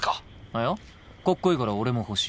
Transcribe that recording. いやかっこいいから俺も欲しい。